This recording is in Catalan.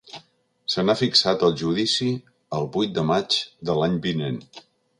Se n’ha fixat el judici el vuit de maig de l’any vinent.